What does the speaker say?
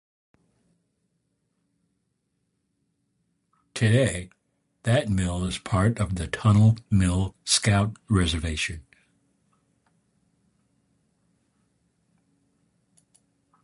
Today, that mill is part of the Tunnel Mill Scout Reservation.